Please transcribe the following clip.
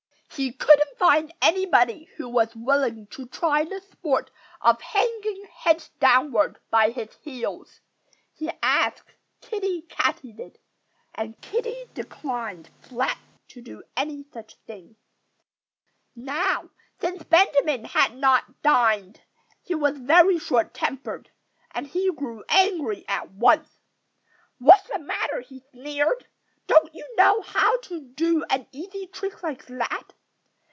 He couldn't find anybody who was willing to try the sport of hanging head downward by his heels. He asked Kiddie Katydid; and Kiddie declined flatly to do any such thing. Now, since Benjamin had not yet dined, he was very short tempered. And he grew angry at once. "What's the matter?" he sneered. "Don't you know how to do an easy trick like that?